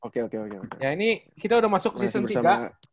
kita udah masuk season tiga